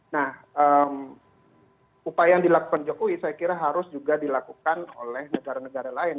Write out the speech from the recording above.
nah upaya yang dilakukan jokowi saya kira harus juga dilakukan oleh negara negara lain